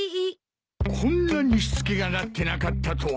こんなにしつけがなってなかったとは。